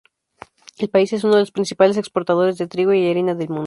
El país es uno de los principales exportadores de trigo y harina del mundo.